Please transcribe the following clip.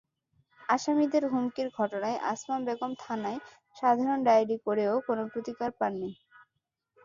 আসামিদের হুমকির ঘটনায় আছমা বেগম থানায় সাধারণ ডায়েরি করেও কোনো প্রতিকার পাননি।